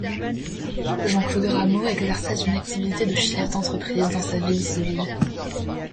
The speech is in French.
Jean-Claude Ramos exerçait une activité de chef d'entreprise dans sa vie civile.